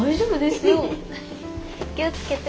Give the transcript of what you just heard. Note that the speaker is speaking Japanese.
気を付けて。